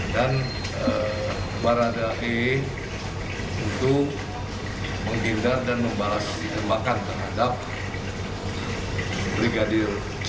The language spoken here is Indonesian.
dan barada e untuk menggildar dan membalasi tembakan terhadap brigadir j